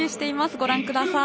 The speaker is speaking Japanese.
ご覧ください。